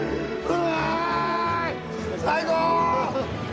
最高！